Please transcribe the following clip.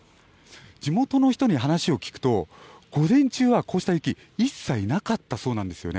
地元の人に話を聞くと午前中はこうした雪一切なかったそうなんですよね。